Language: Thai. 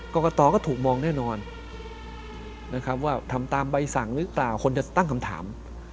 กรกตก็ถูกมองแน่นอนนะครับว่าทำตามใบสั่งหรือเปล่าคนจะตั้งคำถาม